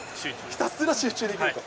ひたすら集中できると。